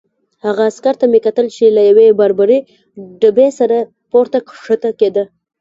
هغه عسکر ته مې کتل چې له یوې باربرې ډبې سره پورته کښته کېده.